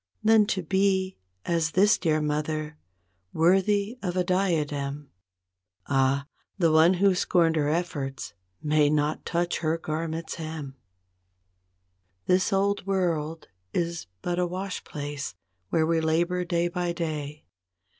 Than to be as this dear mother, worthy of a dia¬ dem— Ah, the one who scorned her efforts, may not touch her garment's hem. This old world is but a wash place, where we labor day by day.